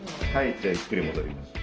じゃあゆっくり戻ります。